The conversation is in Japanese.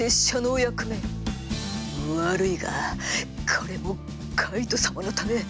悪いがこれもカイト様のため。